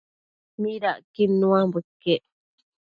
midacquid nuambo iquec?